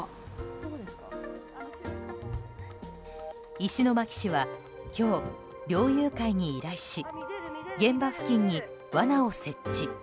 石巻市は今日、猟友会に依頼し現場付近に罠を設置。